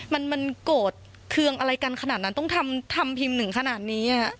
มันโกรธเคืองอะไรกันขนาดนั้นต้องทำพิมพ์ถึงขนาดนี้